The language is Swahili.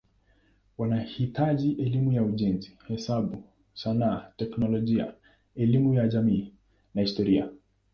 Wanahitaji elimu ya ujenzi, hesabu, sanaa, teknolojia, elimu jamii na historia.